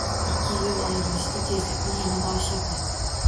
Ikki yo’l ayrilishida tezlikni yanada oshirdi.